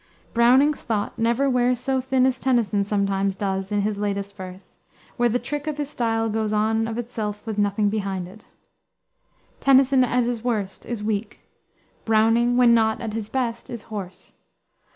Browning's thought never wears so thin as Tennyson's sometimes does in his latest verse, where the trick of his style goes on of itself with nothing behind it. Tennyson, at his worst, is weak. Browning, when not at his best, is hoarse.